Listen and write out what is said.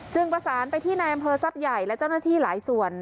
ประสานไปที่นายอำเภอทรัพย์ใหญ่และเจ้าหน้าที่หลายส่วน